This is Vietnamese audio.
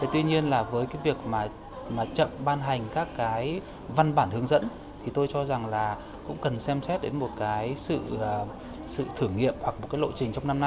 tuy nhiên với việc chậm ban hành các văn bản hướng dẫn tôi cho rằng cũng cần xem xét đến một sự thử nghiệm hoặc một lộ trình trong năm nay